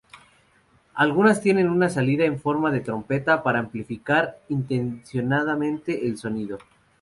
Algunas tienen una salida en forma de trompeta para amplificar intencionadamente el sonido.